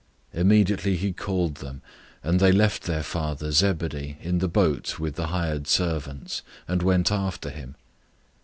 001:020 Immediately he called them, and they left their father, Zebedee, in the boat with the hired servants, and went after him.